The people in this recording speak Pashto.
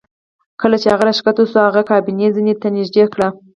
کله چې هغه راښکته شو هغې کابینه زینې ته نږدې کړه